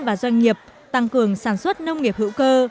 và doanh nghiệp tăng cường sản xuất nông nghiệp hữu cơ